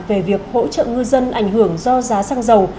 về việc hỗ trợ ngư dân ảnh hưởng do giá xăng dầu